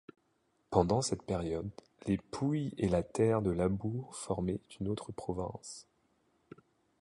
Pendant cette période, les Pouilles et la terre de labour formaient une autre province.